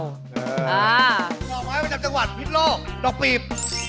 ห่อไม้ประจำจังหวัดพิษโลกดอกปีบ